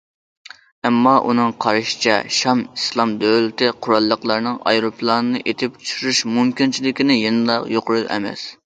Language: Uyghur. ئەمما ئۇنىڭ قارىشىچە،« شام ئىسلام دۆلىتى» قوراللىقلىرىنىڭ ئايروپىلاننى ئېتىپ چۈشۈرۈش مۇمكىنچىلىكى يەنىلا يۇقىرى ئەمەس.